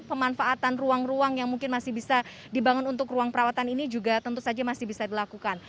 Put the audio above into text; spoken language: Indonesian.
pemanfaatan ruang ruang yang mungkin masih bisa dibangun untuk ruang perawatan ini juga tentu saja masih bisa dilakukan